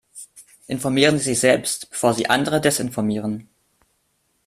Informieren Sie sich selbst, bevor sie andere desinformieren.